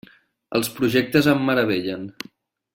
Els projectes em meravellen.